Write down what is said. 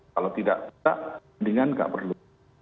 kalau tidak sebaiknya tidak perlu